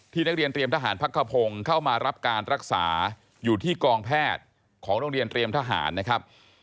นักเรียนเตรียมทหารพักขพงศ์เข้ามารับการรักษาอยู่ที่กองแพทย์ของโรงเรียนเตรียมทหารนะครับ